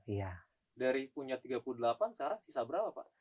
dari punya tiga puluh delapan sekarang bisa berapa pak